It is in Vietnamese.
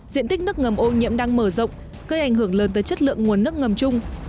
diện tích nước ngầm ô nhiễm đang mở rộng gây ảnh hưởng lớn tới chất lượng nguồn nước ngầm chung